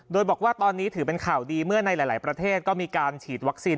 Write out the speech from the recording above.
โดยบอกว่าตอนนี้ถือเป็นข่าวดีเมื่อในหลายประเทศก็มีการฉีดวัคซีน